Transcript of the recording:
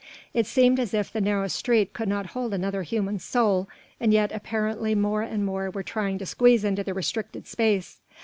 It seemed as if the narrow street could not hold another human soul, and yet apparently more and more were trying to squeeze into the restricted space.